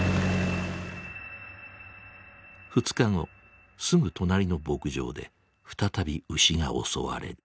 ２日後すぐ隣の牧場で再び牛が襲われる。